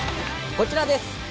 こちらです。